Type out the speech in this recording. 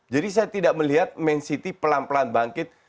jadi saya tidak melihat man city pelan pelan bangkit